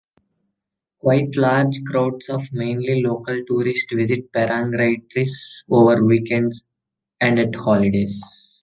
Quite large crowds of mainly local tourists visit Parangtritis over weekends and at holidays.